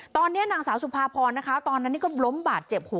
ตอนนี้นางสาวสุภาพรนะคะตอนนั้นนี่ก็ล้มบาดเจ็บหู